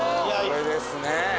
これですね。